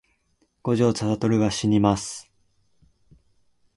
五条悟はしにます